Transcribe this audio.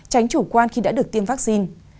tránh chủ quan khi đã được tiêm vaccine